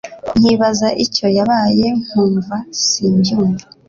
nkibaza icyo yabaye nkumva simbyumva